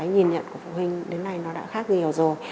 của phụ huynh đến nay nó đã khác nhiều rồi